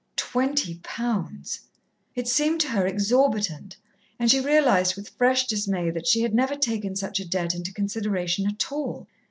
Twenty pounds. It seemed to her exorbitant, and she realized, with fresh dismay, that she had never taken such a debt into consideration at all.